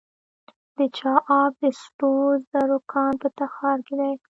د چاه اب د سرو زرو کان په تخار کې دی